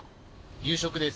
夕食です。